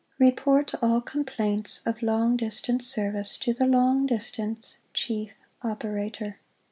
Report all complaints of long distance service to the "Long Distance Chief Operator."